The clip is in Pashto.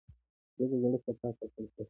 زه د زړه صفا ساتل خوښوم.